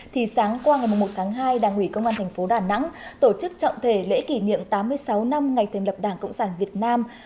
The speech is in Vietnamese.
thì sáng qua ngày một tháng hai đảng ủy công an thành phố đà nẵng tổ chức trọng thể lễ kỷ niệm tám mươi sáu năm ngày thành lập đảng cộng sản việt nam